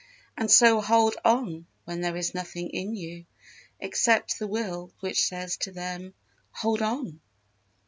And so hold on when there is nothing in you Except the Will which says to them: 'Hold on!'